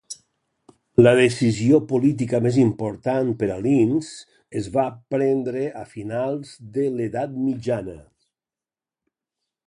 La decisió política més important per a Linz es va prendre a finals de l'edat mitjana.